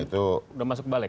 sudah di pimpinan ya